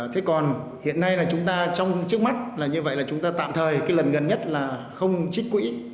thế còn hiện nay là chúng ta trong trước mắt là như vậy là chúng ta tạm thời cái lần gần nhất là không trích quỹ